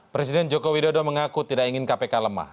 presiden jokowi dodo mengaku tidak ingin kpk lemah